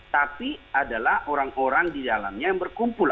tapi adalah orang orang di dalamnya yang berkumpul